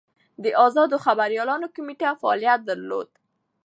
د ازادو خبریالانو کمېټه فعالیت درلود.